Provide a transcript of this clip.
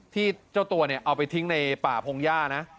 เจ้าตัวเนี่ยเอาไปทิ้งในป่าพงหญ้านะ